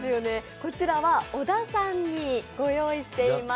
こちらは小田さんにご用意しています。